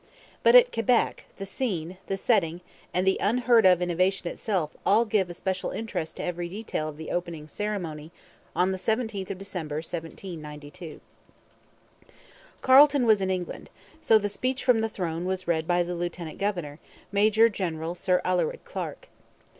But at Quebec the scene, the setting, and the unheard of innovation itself all give a special interest to every detail of the opening ceremony on the 17th of December 1792. Carleton was in England, so the Speech from the Throne was read by the lieutenant governor, Major General Sir Alured Clarke.